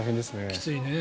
きついね。